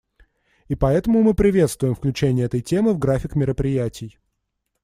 И поэтому мы приветствуем включение этой темы в график мероприятий.